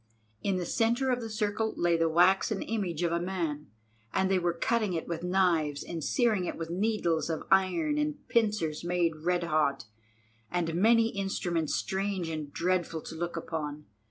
In the centre of the circle lay the waxen image of a man, and they were cutting it with knives and searing it with needles of iron and pincers made red hot, and many instruments strange and dreadful to look upon.